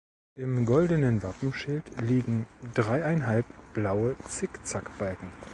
Im goldenen Wappenschild liegen dreieinhalb blaue Zickzackbalken.